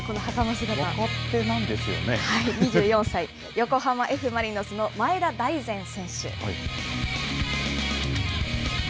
横浜Ｆ・マリノスの前田大然選手。